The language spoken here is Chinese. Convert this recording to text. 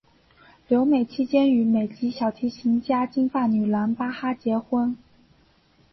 留美期间与美籍小提琴家金发女郎巴哈结婚。